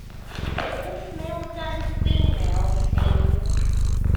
Both males and females sing.